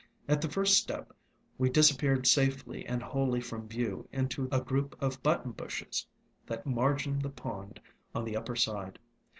At the first step, we dis appeared safely and wholly from view into a group of Button Bushes that margined the pond on the upper side.